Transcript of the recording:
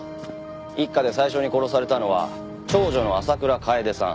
一家で最初に殺されたのは長女の浅倉楓さん。